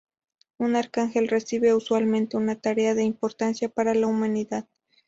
Un arcángel recibe, usualmente, una tarea de importancia para la humanidad.